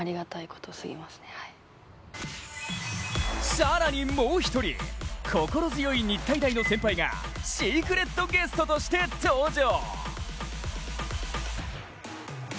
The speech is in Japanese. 更にもう一人、心強い日体大の先輩がシークレットゲストとして登場。